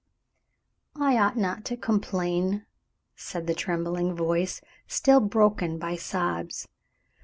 "I ought not to complain," said the trembling voice, still broken by sobs.